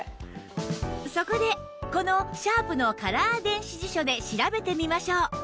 そこでこのシャープのカラー電子辞書で調べてみましょう